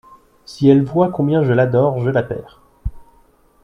Si elle voit combien je l'adore, je la perds.